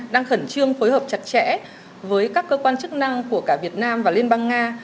đang khẩn trương phối hợp chặt chẽ với các cơ quan chức năng của cả việt nam và liên bang nga